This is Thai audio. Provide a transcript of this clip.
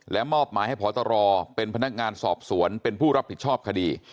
มอบหมายให้พตรเป็นพนักงานสอบสวนเป็นผู้รับผิดชอบคดี